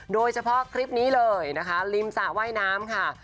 โดยเฉพาะคลิปนี้เลยนะคะริมสระว่ายน้ำค่ะ